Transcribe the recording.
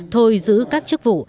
thôi giữ các chức vụ